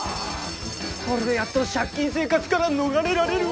これでやっと借金生活から逃れられる！